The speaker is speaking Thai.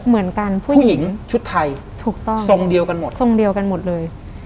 เหมือนกันผู้หญิงชุดไทยถูกต้องทรงเดียวกันหมดทรงเดียวกันหมดเลย